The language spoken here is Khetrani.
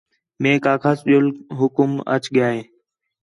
میک آکھاس ڄُل حُکم اَچ ڳِیا ہِے